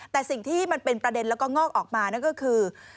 แต่สิ่งที่มันเป็นประเด็นแล้วก็งอกออกมานั่นก็คือ